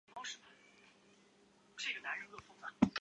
语音带来的改变